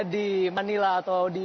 di manila atau di